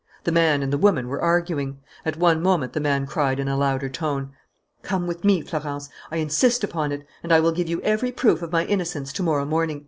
The man and the woman were arguing. At one moment the man cried, in a louder tone: "Come with me, Florence. I insist upon it; and I will give you every proof of my innocence to morrow morning.